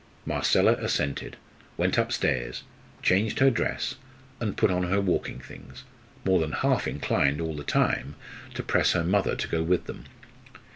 Marcella assented, went upstairs, changed her dress, and put on her walking things, more than half inclined all the time to press her mother to go with them.